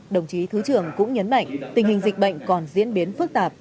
đồng chí thứ trưởng cũng nhấn mạnh tình hình dịch bệnh còn diễn biến phức tạp